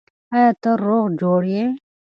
آیا ته روغ جوړ یې؟